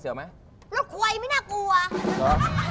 รถควยไม่น่ากลัว